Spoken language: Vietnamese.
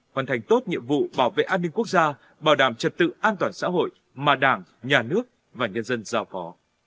hoàn thành tốt nhiệm vụ bảo vệ an ninh quốc gia bảo đảm trật tự an toàn xã hội mà đảng nhà nước và nhân dân giao phó